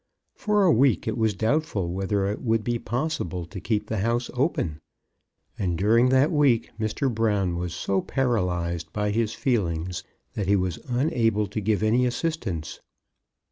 For a week it was doubtful whether it would be possible to keep the house open, and during that week Mr. Brown was so paralyzed by his feelings that he was unable to give any assistance.